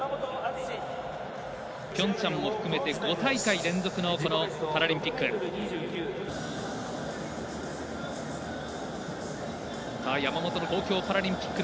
ピョンチャンも含めて５大会連続のこのパラリンピック。